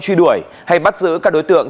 truy đuổi hay bắt giữ các đối tượng